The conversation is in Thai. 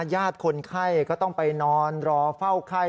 ญาติคนไข้ก็ต้องไปนอนรอเฝ้าไข้